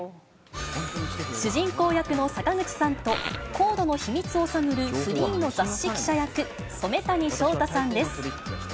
主人公役の坂口さんと、ＣＯＤＥの秘密を探るフリーの雑誌記者役、染谷将太さんです。